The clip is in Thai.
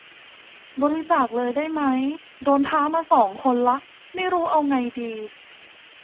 บริจาคเลยได้ไหม โดนท้ามาสองคนละ ไม่รู้เอาไงดี